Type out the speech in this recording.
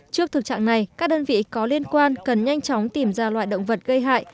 trước thực trạng này các đơn vị có liên quan cần nhanh chóng tìm ra loại động vật gây hại